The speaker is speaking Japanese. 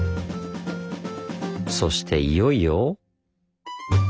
そしていよいよ。